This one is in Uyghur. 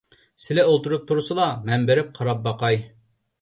سىلى ئولتۇرۇپ تۇرسىلا، مەن بېرىپ قاراپ باقاي.